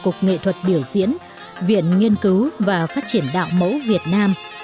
cục văn là một hội nghệ thuật biểu diễn viện nghiên cứu và phát triển đạo mẫu việt nam